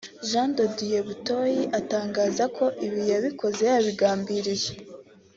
Jean de Dieu Butoyi atangaza ko ibi yabikoze yabigambiriye